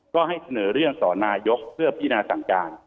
ก็ให้เสนอเรื่องต่อนายกเพื่อพินาสั่งการ